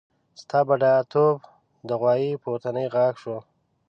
ستا بډاتوب د غوايي پورتنی غاښ شو.